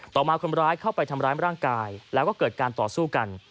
มาคนร้ายเข้าไปทำร้ายร่างกายแล้วก็เกิดการต่อสู้กัน